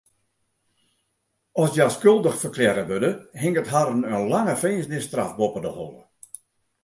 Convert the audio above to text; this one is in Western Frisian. As hja skuldich ferklearre wurde, hinget harren in lange finzenisstraf boppe de holle.